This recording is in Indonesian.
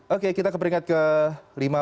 oke kita ke peringkat kelima